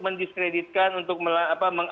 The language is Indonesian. mendiskreditkan untuk meng